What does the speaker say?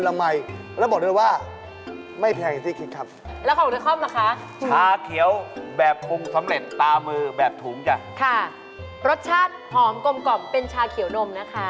แล้วของชาเข้มล่ะคะชาเขียวแบบปรุงสำเร็จตรามือแบบถุงจ้ะค่ะรสชาติหอมกลมเป็นชาเขียวนมนะคะ